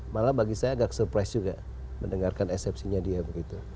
malah bagi saya agak surprise juga mendengarkan eksepsinya dia begitu